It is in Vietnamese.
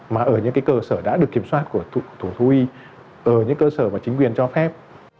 mà ở những cái cơ sở đã được kiểm soát của thủng thú y ở những cơ sở mà chính quyền cho phép